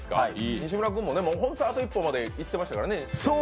西村君も本当、あと一歩までいってましたからね。